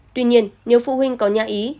tuy nhiên nếu phụ huynh có nhà ý